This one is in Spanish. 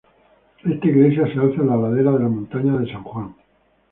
Esta iglesia se alza en la ladera de la montaña de San Juan.